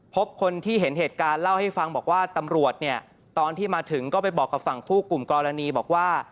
พบคนที่เห็นเหตุการณ์เล่าให้ฟังบอกว่าตำรวจเนี่ยตอนที่มาถึงก็ไปบอกกับฝั่งคู่กลุ่มกรณีบอกว่า